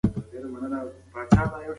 د کور دننه هوا منظم بدله کړئ.